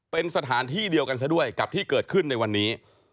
เป็นสถานที่เดียวกันซะด้วยกับที่เกิดขึ้นในวันนี้